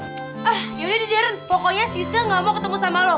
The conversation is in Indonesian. eh yaudah deh darren pokoknya sisil gak mau ketemu sama lo